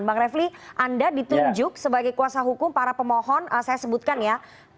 bang refli anda ditunjuk sebagai kuasa hukum para pemohon saya sebutkan ya